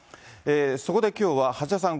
そこできょうは橋田さん